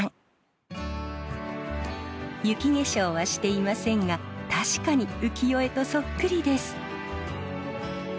雪化粧はしていませんが確かに浮世絵とそっくりです。